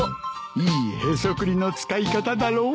いいへそくりの使い方だろ。